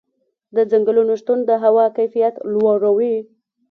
د ځنګلونو شتون د هوا کیفیت لوړوي.